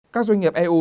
các doanh nghiệp eu